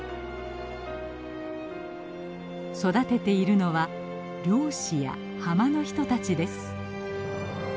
育てているのは漁師や浜の人たちです。